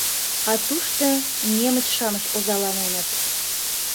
А тушто немыч-шамыч озаланеныт.